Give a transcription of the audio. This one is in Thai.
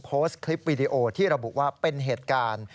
โพสต์คลิปวิดีโอที่ระบุว่าเป็นเหตุการณ์